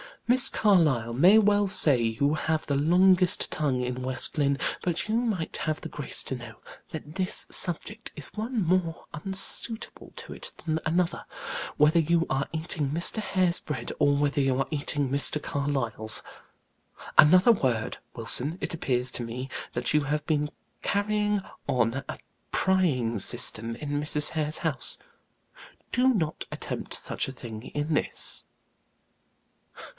"Miss Carlyle may well say you have the longest tongue in West Lynne; but you might have the grace to know that this subject is one more unsuitable to it than another, whether you are eating Mr. Hare's bread, or whether you are eating Mr. Carlyle's. Another word, Wilson; it appears to me that you have been carrying on a prying system in Mrs. Hare's house do not attempt such a thing in this."